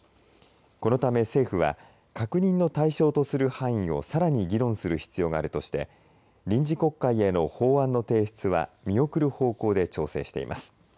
このため政府は確認の対象とする範囲をさらに議論する必要があるとして臨時国会への法案の提出は見送る方向で調整しています。